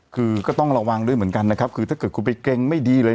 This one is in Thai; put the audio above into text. คือก็ต้องระวังด้วยเหมือนกันนะครับคือถ้าเกิดคุณไปเกรงไม่ดีเลย